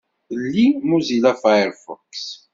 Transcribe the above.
Lli Mozilla Firefox.